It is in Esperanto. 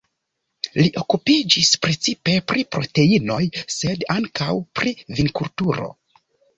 Li okupiĝis precipe pri proteinoj, sed ankaŭ pri vinkulturo.